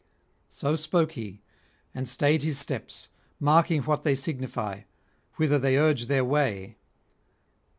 So spoke he and stayed his steps, marking what they signify, whither they urge their way.